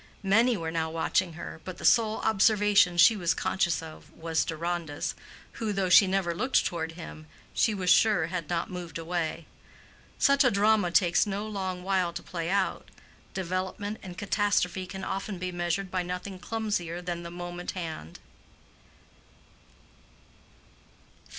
Many were now watching her, but the sole observation she was conscious of was Deronda's, who, though she never looked toward him, she was sure had not moved away. Such a drama takes no long while to play out: development and catastrophe can often be measured by nothing clumsier than the moment hand.